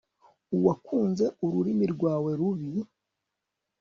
uwakunze ururimi rwawe rubi